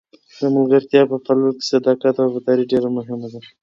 د ملګرتیا په پاللو کې صداقت او وفاداري ډېره مهمه ده.